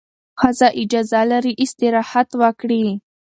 ښځه اجازه لري استراحت وکړي.